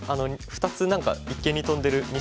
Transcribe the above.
２つ何か一間にトンでる